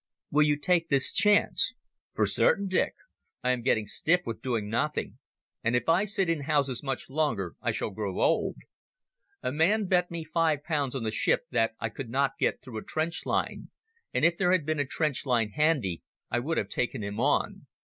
"Will you take this chance?" "For certain, Dick. I am getting stiff with doing nothing, and if I sit in houses much longer I shall grow old. A man bet me five pounds on the ship that I could not get through a trench line, and if there had been a trench line handy I would have taken him on.